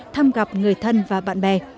thăm gặp người thân và bạn bè